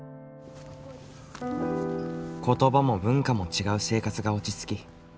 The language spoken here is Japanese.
言葉も文化も違う生活が落ち着き